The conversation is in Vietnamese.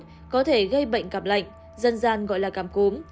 nó có thể gây bệnh cảm lạnh dân gian gọi là cảm cúm